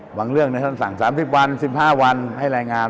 หวังเรื่องในท่านสั่ง๓๐วัน๑๕วันให้รายงาน